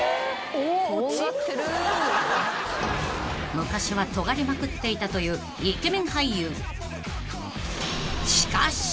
［昔はトガりまくっていたというイケメン俳優］